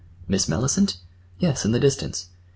"Miss Mellicent? Yes, in the distance.